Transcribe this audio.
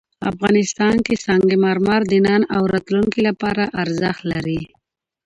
افغانستان کې سنگ مرمر د نن او راتلونکي لپاره ارزښت لري.